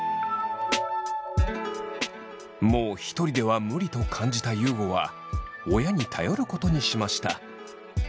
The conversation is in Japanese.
もうひとりでは無理と感じた優吾は親に頼ることにしました。